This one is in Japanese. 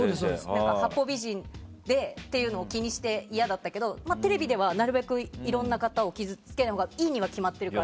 八方美人でっていうのを気にして、嫌だったけどテレビではなるべくいろんな方を傷つけないほうがいいに決まっているので。